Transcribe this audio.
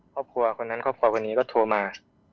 ครอบครัวคนนั้นครอบครอบคนนี้ก็โทรมา